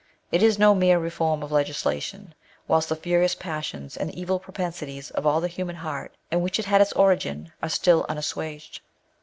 It is no mere reform of legislation, whilst the furious passions and evil propensities of the human heart, in which it had its origin, are still unassuaged.